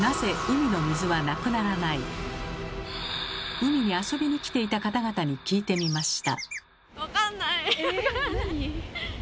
海に遊びに来ていた方々に聞いてみました。